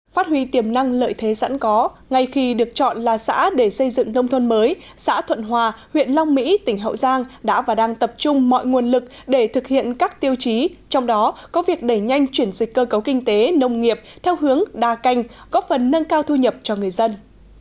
phát huy tiềm năng lợi thế sẵn có ngay khi được chọn là xã để xây dựng nông thôn mới xã thuận hòa huyện long mỹ tỉnh hậu giang đã và đang tập trung mọi nguồn lực để thực hiện các tiêu chí trong đó có việc đẩy nhanh chuyển dịch cơ cấu kinh tế nông nghiệp theo hướng đa canh góp phần nâng cao thu nhập cho người dân